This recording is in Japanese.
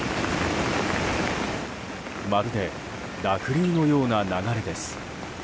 まるで濁流のような流れです。